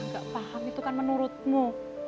tapi bocah gak paham itu kan menurutmu